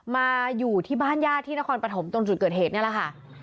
มาอยู่ที่บ้านญาติที่นครปฐมตรงจุดเกิดเหตุนี่แหละค่ะ